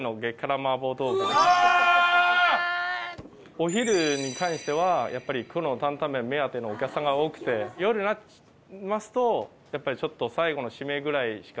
お昼に関してはやっぱり黒の担々麺目当てのお客さんが多くて夜になりますとやっぱりちょっと最後のシメぐらいしか。